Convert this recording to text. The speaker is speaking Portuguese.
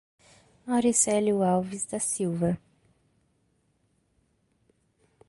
Auricelio Alves da Silva